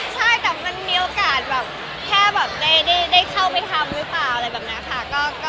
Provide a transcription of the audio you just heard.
ใช่แต่มันมีโอกาสแบบแค่แบบได้เข้าไปทำหรือเปล่าอะไรแบบนี้ค่ะ